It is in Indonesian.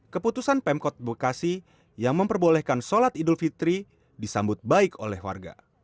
keputusan pemkot bekasi yang memperbolehkan sholat idul fitri disambut baik oleh warga